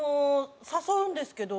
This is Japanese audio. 誘うんですけど。